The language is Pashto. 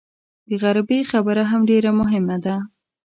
د غریبۍ خبره هم ډېره مهمه ده.